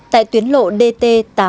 tại tuyến lộ dt tám trăm bốn mươi ba